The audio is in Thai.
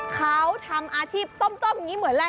เขาทำอาชีพต้มอย่างนี้เหมือนอะไร